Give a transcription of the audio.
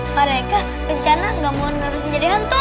mereka rencana gak mau terus jadi hantu